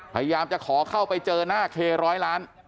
พยายามจะขอเข้าไปเจอหน้าเคร้อยล้าน